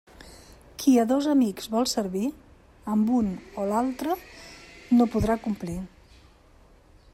Qui a dos amics vol servir, amb un o altre no podrà complir.